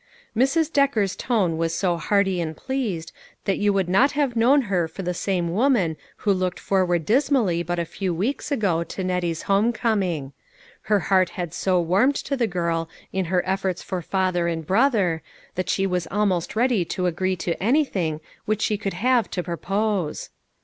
Mrs. Decker's tone was so hearty and pleased, that you would not have known her for the same woman who looked forward dismally but a few weeks ago to Nettie's home coming. Her heart had so warmed to the girl in her efforts for father and brother, that she was almost ready to agree to anything which she could have to pro pose.